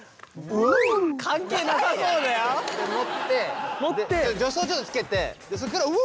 ウ！関係なさそうだよ。持って助走ちょっとつけてそれからウ。